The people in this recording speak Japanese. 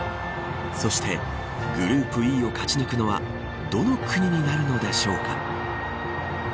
そしてグループＥを勝ち抜くのはどの国になるでしょうか。